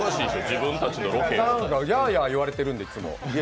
やあやあ言われてるんで、いつも。